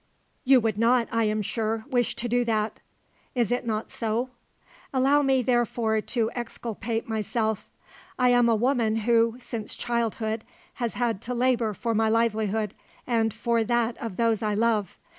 You would not, I am sure, wish to do that; is it not so? Allow me therefore to exculpate myself. I am a woman who, since childhood, has had to labour for my livelihood and for that of those I love.